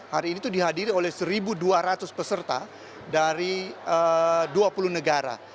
hari ini itu dihadiri oleh satu dua ratus peserta dari dua puluh negara